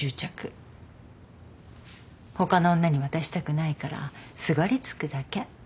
他の女に渡したくないからすがりつくだけ。